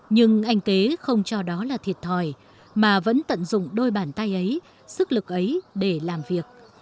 nhưng anh kế không cho đó là thiệt thòi mà vẫn tận dụng đôi bàn tay ấy sức lực ấy để làm việc